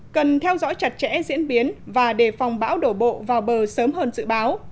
cần theo dõi chặt chẽ diễn biến và đề phòng bão đổ bộ vào bờ sớm hơn dự báo